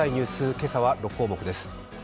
今朝は６項目です。